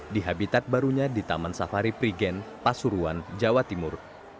di habitat barunya di taman safari prigen pasuruan jawa timur